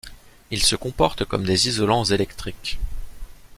Ils se comportent comme des isolants électriques.